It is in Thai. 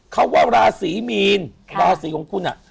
เขาว่าราศีมีนราศีของคุณอ่ะ